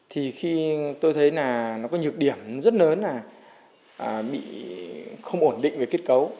thì khi tôi thấy là nó có nhược điểm rất lớn là bị không ổn định về kết cấu